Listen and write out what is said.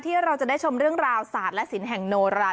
ที่เราจะได้ชมเรื่องราวศาสตร์และศิลป์แห่งโนรา